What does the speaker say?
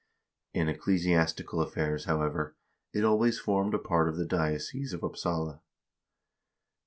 1 In ecclesiastical affairs, however, it always formed a part of the diocese of Upsala.